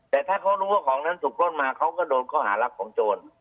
แต่ถ้าเขารู้ว่าของนั้นถูกปล้นมาเขาก็โดนข้อหารักของโจร